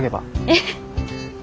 えっ。